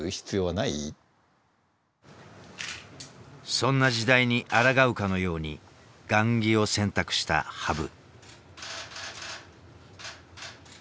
そんな時代にあらがうかのように雁木を選択した羽生。